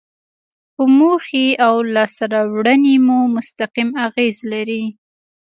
په موخې او لاسته راوړنې مو مستقیم اغیز لري.